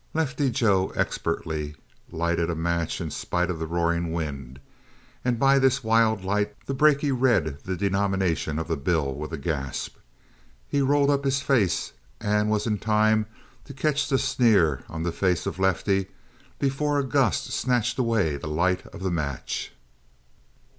Lefty Joe expertly lighted a match in spite of the roaring wind, and by this wild light the brakie read the denomination of the bill with a gasp. He rolled up his face and was in time to catch the sneer on the face of Lefty before a gust snatched away the light of the match.